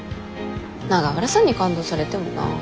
永浦さんに感動されてもな。